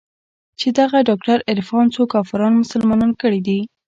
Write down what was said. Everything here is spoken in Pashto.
چې دغه ډاکتر عرفان څو کافران مسلمانان کړي دي.